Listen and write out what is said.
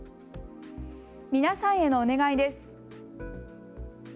皆さんへのお願いです。